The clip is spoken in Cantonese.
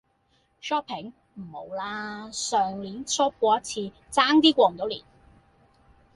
Shopping? 唔好啦，上年 shop 過一次，差啲過唔到年!